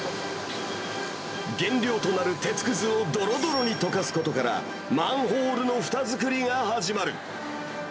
原料となる鉄くずをどろどろに溶かすことから、マンホールのふた作りが始まる。